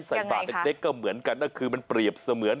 ใส่บาทเล็กก็เหมือนกันก็คือมันเปรียบเสมือน